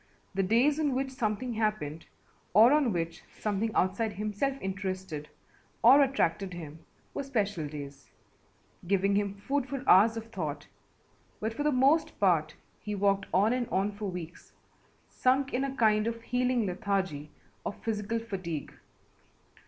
The days on which something happened or on which something outside himself interested or attracted him were special days, giving him food for hours of thought, but for the most part he walked on and on for weeks, sunk in a kind of healing lethargy of physical fatigue.